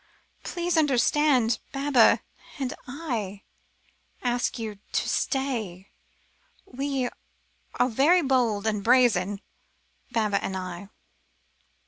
Please understand, Baba and I ask you to stay. We are very bold and brazen Baba and I!"